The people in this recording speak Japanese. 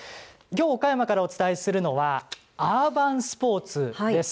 きょう、岡山からお伝えするのはアーバンスポーツです。